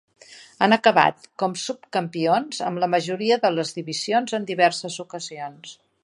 Han acabat com subcampions en la majoria de les divisions en diverses ocasions.